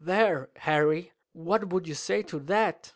"There, Harry! What would you say to that?"